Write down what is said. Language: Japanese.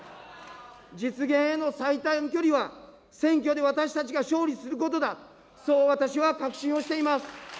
実現への最短の距離は、選挙で私たちが勝利することだ、そう私は確信をしています。